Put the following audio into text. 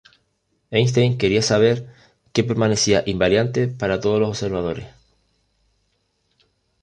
Einstein quería saber que permanecía invariante para todos los observadores.